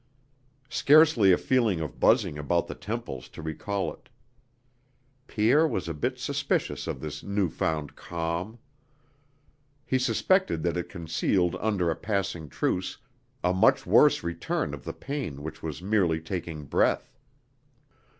Scarcely a feeling of buzzing about the temples to recall it.... Pierre was a bit suspicious of this new found calm. He suspected that it concealed under a passing truce a much worse return of the pain which was merely taking breath.